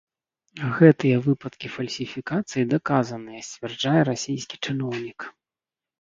Гэтыя выпадкі фальсіфікацыі даказаныя, сцвярджае расійскі чыноўнік.